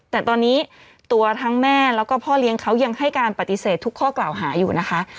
แต่ตอนนี้ตัวทั้งแม่แล้วก็พ่อเลี้ยงเขายังให้การปฏิเสธทุกข้อกล่าวหาอยู่นะคะ